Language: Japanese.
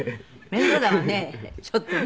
面倒だわねちょっとね。